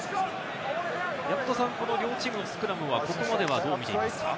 両チームのスクラムはここまでは、どう見ていますか？